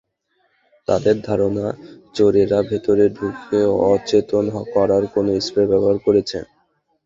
তাঁদের ধারণা, চোরেরা ভেতরে ঢুকে অচেতন করার কোনো স্প্রে ব্যবহার করেছে।